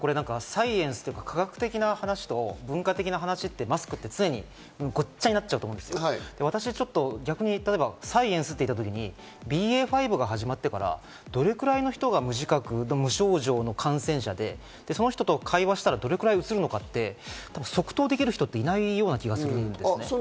サイエンスというか、科学的な話と文化的な話って常にマスク、ごっちゃになっちゃうと思うんですけど、逆にサイエンスと言った時に、ＢＡ．５が始まってからどれぐらいの人が無自覚・無症状の感染者でその人と会話したらどれぐらいうつるのかって即答できる人っていないような気がするんですね。